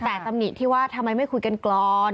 แต่ตำหนิที่ว่าทำไมไม่คุยกันก่อน